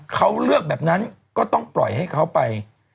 เขาเลือกแบบนั้นก็ต้องปล่อยให้เขาไป